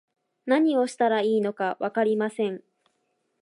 何をしたらいいのかわかりません